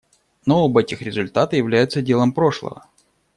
Но оба этих результата являются делом прошлого.